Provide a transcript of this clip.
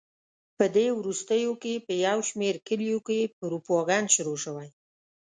په دې وروستیو کې په یو شمېر کلیو کې پروپاګند شروع شوی.